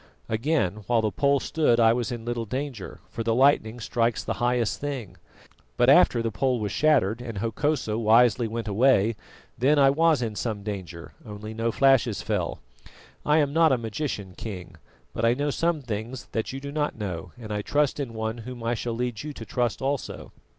Again, while the pole stood I was in little danger, for the lightning strikes the highest thing; but after the pole was shattered and Hokosa wisely went away, then I was in some danger, only no flashes fell. I am not a magician, King, but I know some things that you do not know, and I trust in One whom I shall lead you to trust also."